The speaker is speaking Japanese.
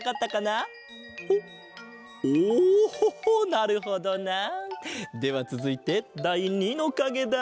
なるほどな。ではつづいてだい２のかげだ！